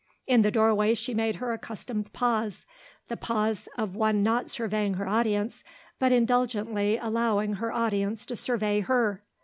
In the doorway she made her accustomed pause, the pause of one not surveying her audience but indulgently allowing her audience to survey her.